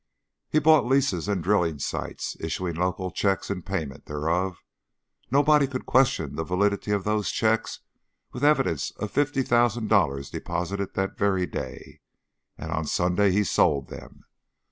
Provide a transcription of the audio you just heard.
He bought leases and drilling sites, issuing local checks in payment thereof nobody could question the validity of those checks with the evidence of fifty thousand dollars deposited that very day and on Sunday he sold them.